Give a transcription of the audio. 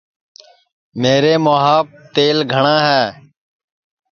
میرے مُھواپ تیل گھٹؔے ہے